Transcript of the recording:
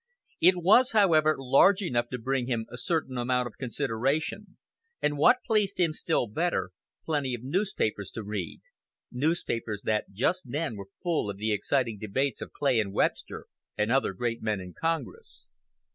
It was, however, large enough to bring him a certain amount of consideration, and, what pleased him still better, plenty of newspapers to read newspapers that just then were full of the exciting debates of Clay and Webster, and other great men in Congress.